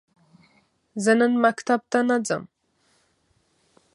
زه نن مکتب ته نه ځم.